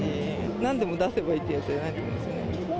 なんでも出せばいいってもんじゃないですね。